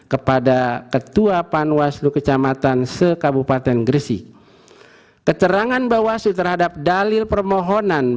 dua ribu dua puluh tiga kepada ketua panwaslu kecamatan sekabupaten gresik keterangan bawaslu terhadap dalil permohonan